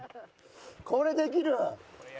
これできる？